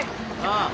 ああ。